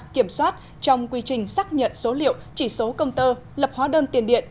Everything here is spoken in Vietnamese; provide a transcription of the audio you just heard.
kiểm soát trong quy trình xác nhận số liệu chỉ số công tơ lập hóa đơn tiền điện